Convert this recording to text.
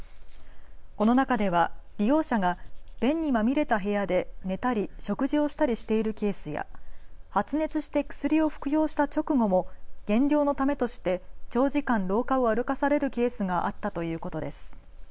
この中では利用者が便にまみれた部屋で寝たり食事をしたりしているケースや発熱して薬を服用した直後も減量のためとして長時間、廊下を歩かされるケースがあったということです。